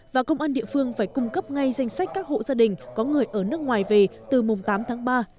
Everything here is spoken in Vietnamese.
và công an địa phương phải cung cấp ngay danh sách các hộ gia đình có người ở nước ngoài về từ mùng tám tháng ba